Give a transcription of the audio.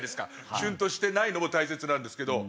シュンとしてないのも大切なんですけど。